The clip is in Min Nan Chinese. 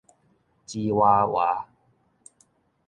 吱娃娃